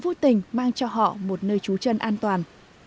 vui tình mang cho họ một nơi trú chân an toàn